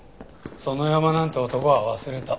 園山なんて男は忘れた。